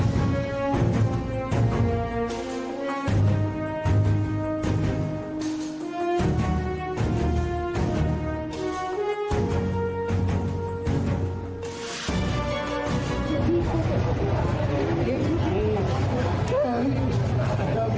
สวัสดีครับ